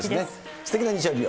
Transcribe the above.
すてきな日曜日を。